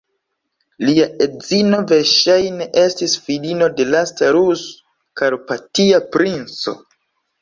Lia edzino, verŝajne, estis filino de lasta Rus-karpatia princo.